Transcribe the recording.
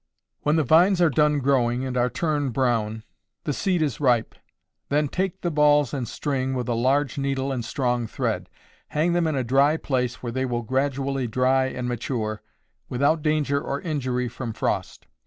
_ When the vines are done growing and are turned brown; the seed is ripe: then take the balls and string with a large needle and strong thread; hang them in a dry place where they will gradually dry and mature, without danger or injury from frost.